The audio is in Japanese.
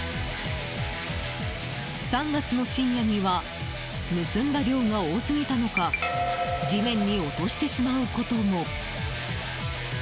３月の深夜には盗んだ量が多すぎたのか地面に落としてしまうことも。